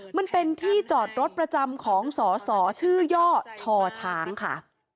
มันเป็นที่จอดรถประจำของสอสอชื่อย่อชอช้างค่ะ